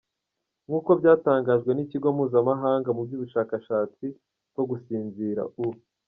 Nkuko byatangajwe n’ikigo mpuzamahanga mu by’ubushakashatsi bwo gusinzira “U.